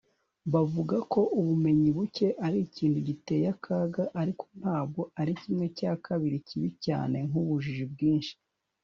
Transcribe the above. bavuga ko ubumenyi buke ari ikintu giteye akaga, ariko ntabwo ari kimwe cya kabiri kibi cyane nk'ubujiji bwinshi